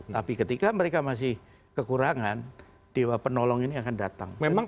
tapi ketika mereka masih kekurangan dewa penolong ini akan datang